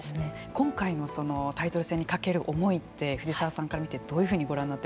今回のタイトル戦にかける思いって藤沢さんから見てどういうふうにご覧になっていますか。